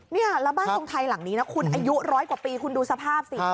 เนี่ยแล้วบ้านทรงไทยหลังนี้นะคุณอายุร้อยกว่าปีคุณดูสภาพสิ